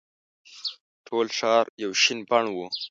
ټول ښار یو شین بڼ وو.